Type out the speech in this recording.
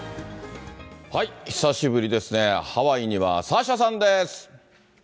久しぶりですね、ハワイにはサーシャさんです。